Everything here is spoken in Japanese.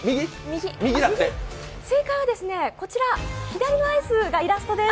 正解はですね、左のアイスがイラストです。